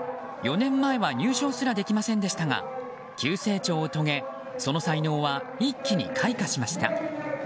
４年前は入賞すらできませんでしたが急成長を遂げその才能は一気に開花しました。